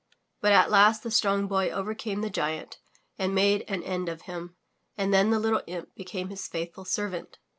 But at last the Strong Boy overcame the giant and made an end of him and then the little imp became his faithful servant.